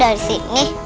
santai dari sini